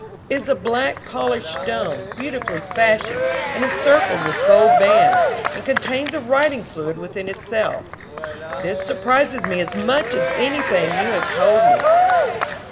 It is black polished stone, beautifully fashioned and encircled with gold bands, and contains the writing fluid within itself. This surprises me as much as anything you have told me."